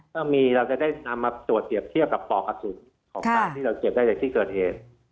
ก็มีเราจะได้นำมาตรวจเหตุเป็นประกัติสุดของการที่เราเก็บได้จากที่เกิดเหตุ